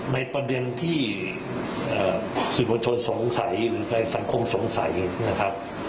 ในประเด็นที่สื่อมวลชนสงสัยหรือในสังคมสงสัยนะครับ